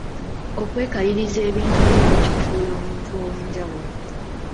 Okwekaliriza ebintu ebimu kikufuula ow'enjawulo.